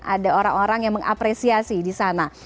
ada orang orang yang mengapresiasi di sana